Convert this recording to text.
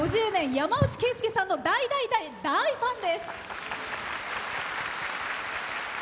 山内惠介さんの大大大大ファンです。